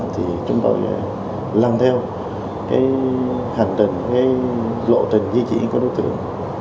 thì chúng tôi làm theo cái hành trình cái lộ trình di chuyển của đối tượng